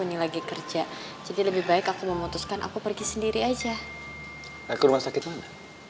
ini lagi kerja jadi lebih baik aku memutuskan aku pergi sendiri aja ke rumah sakit mana